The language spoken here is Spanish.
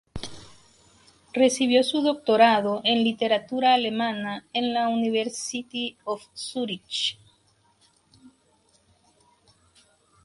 Recibió su doctorado en Literatura alemana en la University of Zurich.